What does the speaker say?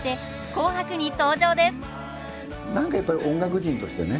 何かやっぱり音楽人としてね